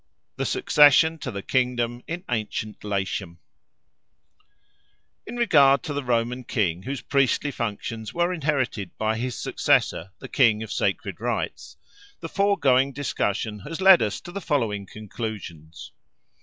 The Succession to the Kingdom in Ancient Latium IN REGARD to the Roman king, whose priestly functions were inherited by his successor the king of the Sacred Rites, the foregoing discussion has led us to the following conclusions.